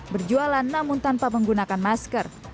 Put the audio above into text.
berjualan namun tanpa menggunakan masker